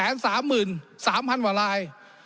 ๑๓๓๐๐๐บาทลาย